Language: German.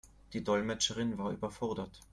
Die Dolmetscherin war überfordert.